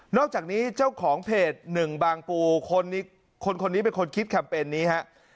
นอกจากนี้เจ้าของเพจ๑บางปูคนคนนี้เป็นคนคิดแคมเปญนี้ครับ